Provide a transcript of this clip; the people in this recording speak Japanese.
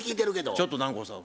ちょっと南光さん